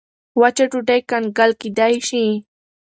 وچه ډوډۍ کنګل کېدای شي.